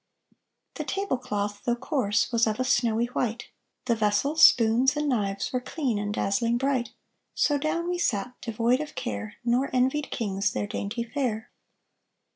The tablecloth, though coarse, Was of a snowy white, The vessels, spoons, and knives Were clean and dazzling bright; So down we sat Devoid of care, Nor envied kings Their dainty fare.